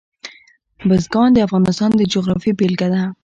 بزګان د افغانستان د جغرافیې بېلګه ده.